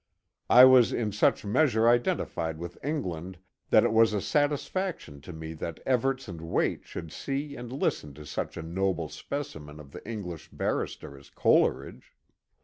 I was in such mea sure identified with England that it was a satisfaction to me that Evarts and Waite should see and listen to such a noble specimen of the English barrister as Coleridge.